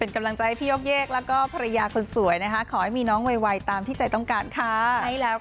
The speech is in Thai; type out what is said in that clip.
เป็นกำลังใจให้พี่ยกเยกแล้วก็ภรรยาคนสวยนะคะขอให้มีน้องไวตามที่ใจต้องการค่ะ